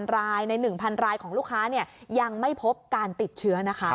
๑รายใน๑๐๐รายของลูกค้ายังไม่พบการติดเชื้อนะคะ